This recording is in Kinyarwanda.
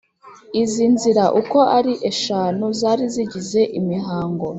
izi nzira uko ari eshanu zari zigize imihango